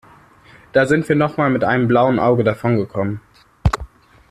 Da sind wir noch mal mit einem blauen Auge davongekommen.